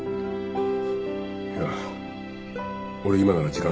いや俺今なら時間あるぞ。